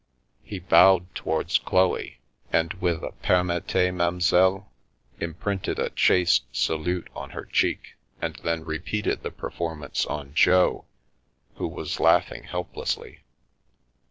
He bowed towards Chloe, and with a " permettez, m'amzelle ?" imprinted a chaste salute on her cheek, and then repeated the performance on Jo, who was laughing helplessly.